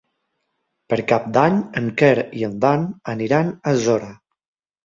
Per Cap d'Any en Quer i en Dan aniran a Sora.